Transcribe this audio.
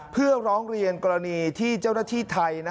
เพื่อร้องเรียนกรณีที่เจ้าหน้าที่ไทย